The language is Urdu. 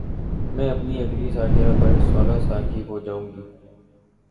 میں اپنی اگلی سالگرہ پر سولہ سال کی ہو جائو گی